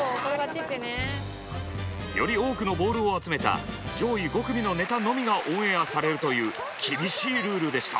より多くのボールを集めた上位５組のネタのみがオンエアされるという厳しいルールでした。